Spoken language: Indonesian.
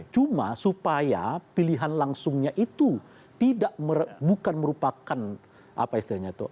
cuma supaya pilihan langsungnya itu bukan merupakan apa istilahnya itu